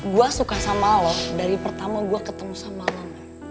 gue suka sama lo dari pertama gue ketemu sama lomba